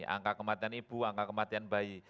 angka kematian ibu angka kematian bayi